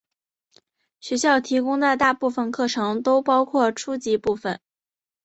学校提供的大部分课程都包括初级部分。